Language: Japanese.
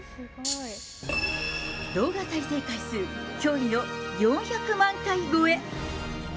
動画再生回数、驚異の４００万回超え。